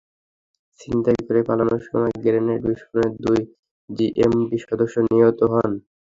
ছিনতাই করে পালানোর সময় গ্রেনেড বিস্ফোরণে দুই জেএমবি সদস্য নিহত হন।